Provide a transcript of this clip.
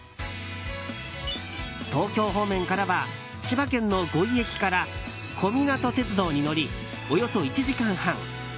東京方面からは千葉県の五井駅から小湊鐵道に乗りおよそ１時間半。